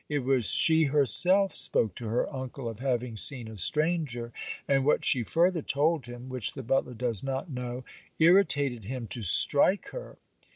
It was she herself spoke to her uncle of having seen a stranger; and what she further told him (which the butler does not know) irritated him to strike her.